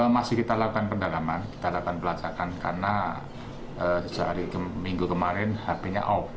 masih kita lakukan pendalaman kita lakukan pelancarkan karena sejak hari minggu kemarin hp nya off